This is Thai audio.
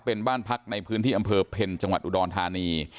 เป็นบ้านพักในพื้นที่อำเภอเพ็ญจังหวัดอุดรธานี